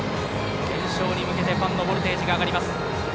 連勝に向けて、ファンのボルテージが上がります。